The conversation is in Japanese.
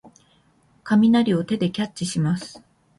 雷を手でキャッチします。